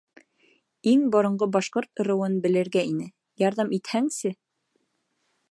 — Иң боронғо башҡорт ырыуын белергә ине, ярҙам итһәңсе?